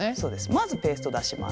まずペースト出します。